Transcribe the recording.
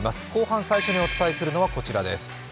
後半最初にお伝えするのはこちらです。